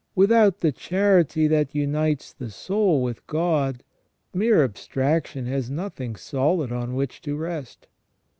Without the charity that unites the soul with God, mere abstraction has nothing solid on which to rest.